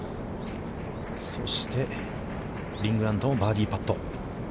そして、リン・グラントもバーディーパット。